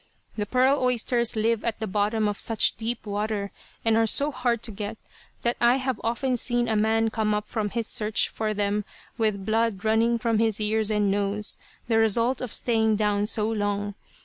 The pearl oysters live at the bottom of such deep water, and are so hard to get, that I have often seen a man come up from his search for them with blood running from his ears and nose, the result of staying down so long.